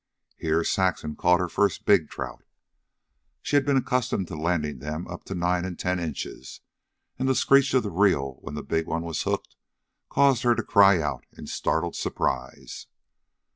Here, Saxon caught her first big trout. She had been accustomed to landing them up to nine and ten inches, and the screech of the reel when the big one was hooked caused her to cry out in startled surprise.